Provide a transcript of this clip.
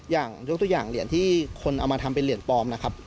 ยกตัวอย่างเหรียญที่คนเอามาทำเป็นเหรียญปลอมนะครับ